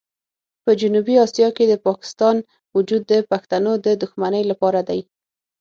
په جنوبي اسیا کې د پاکستان وجود د پښتنو د دښمنۍ لپاره دی.